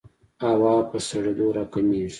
هوا په سړېدو راکمېږي.